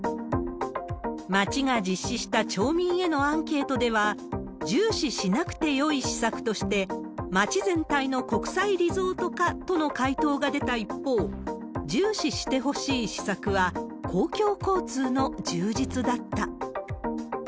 町が実施した町民へのアンケートでは、重視しなくてよい施策として、町全体の国際リゾート化との回答が出た一方、重視してほしい施策は、公共交通の充実だった。